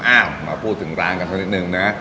มาพูดถึงร้านกันสักนิดนึงนะ